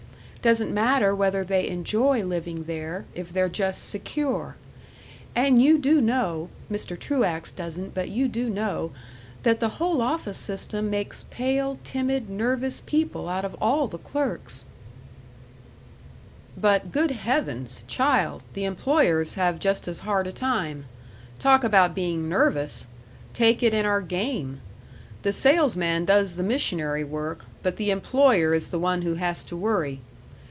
Doesn't matter whether they enjoy living there, if they're just secure. And you do know Mr. Truax doesn't, but you do know that the whole office system makes pale, timid, nervous people out of all the clerks " "But, good heavens! child, the employers have just as hard a time. Talk about being nervous! Take it in our game. The salesman does the missionary work, but the employer is the one who has to worry.